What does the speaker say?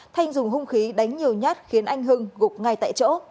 thanh dùng hung khí đánh nhiều nhát khiến anh hưng gục ngay tại chỗ